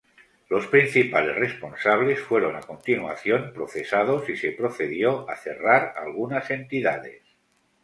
Los principales responsables fueron a continuación procesados y se procedió a cerrar algunas entidades.